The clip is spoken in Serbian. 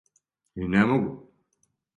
И не могу.